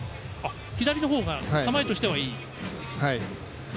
左の方が構えとしてはいい？